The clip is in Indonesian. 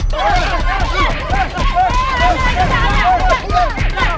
tolong jangan pukul raja